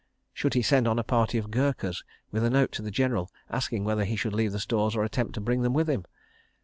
Should he send on a party of Gurkhas with a note to the General, asking whether he should leave the stores or attempt to bring them with him?